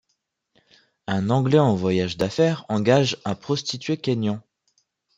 Un Anglais en voyage d'affaires engage un prostitué kényan.